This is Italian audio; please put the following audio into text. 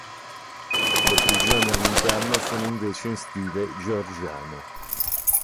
Le prigioni all'interno sono invece in stile georgiano.